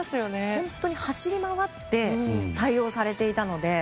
本当に走り回って対応されていたので。